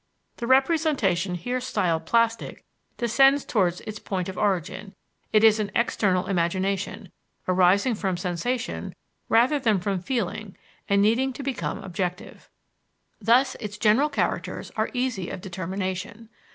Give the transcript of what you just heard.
The representation here styled plastic descends towards its point of origin; it is an external imagination, arising from sensation rather than from feeling and needing to become objective. Thus its general characters are easy of determination.